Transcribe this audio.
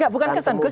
bukan kesan gus